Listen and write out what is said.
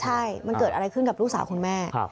ใช่มันเกิดอะไรขึ้นกับลูกสาวคุณแม่